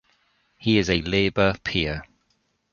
He is a Labour peer.